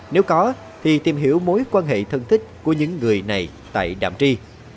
nếu có thì tìm hiểu mối quan hệ thân thích của những người này tại đạm tri